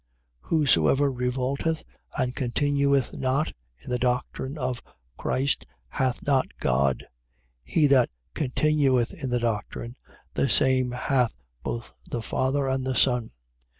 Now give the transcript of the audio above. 1:9. Whosoever revolteth and continueth not in the doctrine of Christ hath not God. He that continueth in the doctrine, the same hath both the Father and the Son. 1:10.